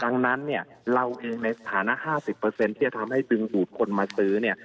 ดังนั้นเนี่ยเราเองในฐานะ๕๐ที่จะทำให้ดึงดูดคนมาซื้อเนี่ย